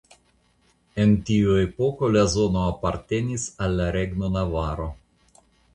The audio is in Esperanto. En tiu epoko la zono apartenis al la regno Navaro.